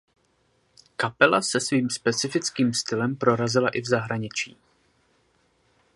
Kapela se svým specifickým stylem prorazila i v zahraničí.